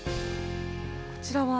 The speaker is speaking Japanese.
こちらは？